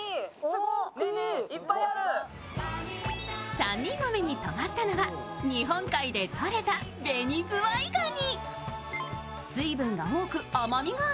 ３人の目にとまったのは日本海でとれたベニズワイガニ。